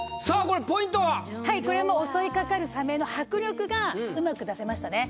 これはもう襲いかかるサメの迫力がうまく出せましたね。